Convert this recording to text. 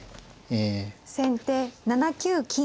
先手７九金。